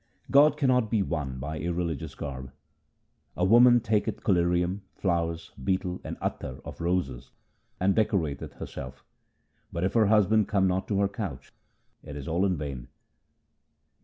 God cannot be won by a religious garb :— A woman taketh collyrium, flowers, betel and attar of roses, and decorateth herself, But if her husband come not to her couch, it is all in vain.